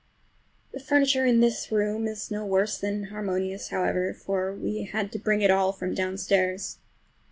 The furniture in this room is no worse than inharmonious, however, for we had to bring it all from downstairs.